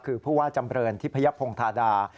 คือผู้ว่าจำเปริญที่พระยะพงษ์ธาดา